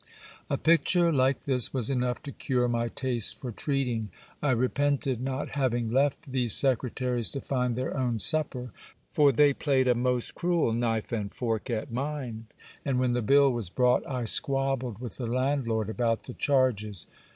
A picture like this was enough to cure my taste for treating. I re pented not having left these secretaries to find their own supper; for they played a most cruel knife and fork at mine! and, when the bill was brought, I squabbled with the landlord about the charges.